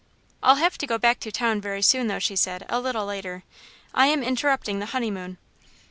"I'll have to go back to town very soon, though," she said, a little later, "I am interrupting the honeymoon."